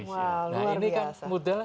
wah luar biasa